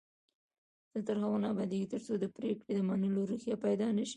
افغانستان تر هغو نه ابادیږي، ترڅو د پریکړو د منلو روحیه پیدا نشي.